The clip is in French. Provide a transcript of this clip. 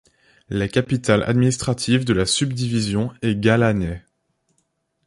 La capitale administrative de la subdivision est Ghalanai.